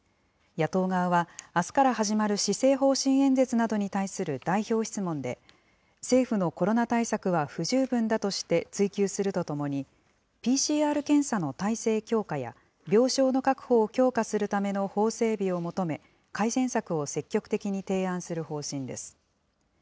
野党側は、あすから始まる施政方針演説などに対する代表質問で、政府のコロナ対策は不十分だとして追及するとともに、ＰＣＲ検査の体制強化や、病床の確保を強化するための法整備を求め、改善策を積極的に提案する方針です。